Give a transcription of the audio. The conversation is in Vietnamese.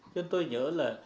nhưng tôi nhớ là